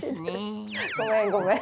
ごめんごめん。